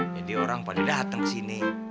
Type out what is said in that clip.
jadi orang paling dateng kesini